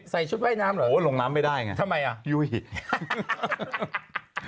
ใส่ชุดไว้น้ำเหรออยู่หิดโอ้โฮหลงน้ำไม่ได้อย่างนั้นทำไมอ่ะ